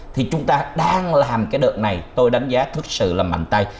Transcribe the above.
thì chúng ta đang làm cái đợt này tôi đánh giá thực sự là mạnh tay